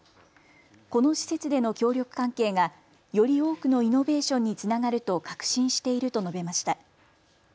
この施設での協力関係がより多くのイノベーションにつながると確信していると述べました。